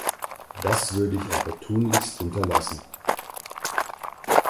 Das würde ich aber tunlichst unterlassen.